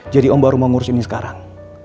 jadi om baru mau ngurus ini sekarang